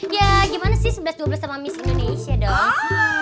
ya gimana sih sebelas dua belas sama miss indonesia dong